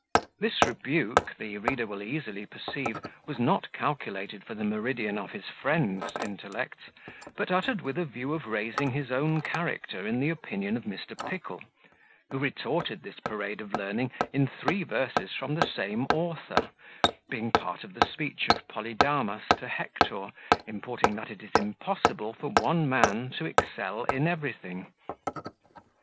This rebuke, the reader will easily perceive, was not calculated for the meridian of his friend's intellects, but uttered with a view of raising his own character in the opinion of Mr. Pickle, who retorted this parade of learning in three verses from the same author, being part of the speech of Polydamas to Hector, importing that it is impossible for one man to excel in everything.